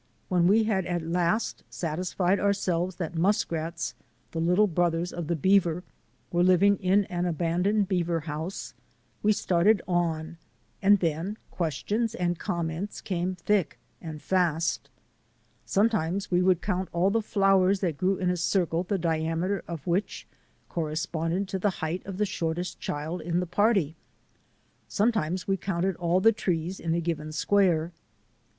When we had at last satisfied our selves that muskrats — the little brothers of the beaver — were living in an abandoned beaver house, we started on and then questions and comments came thick and fast. Sometimes we would count all the flowers that grew in a circle the diameter of which corresponded to the height of the shortest child in the party. Sometimes we counted all the trees in a given square.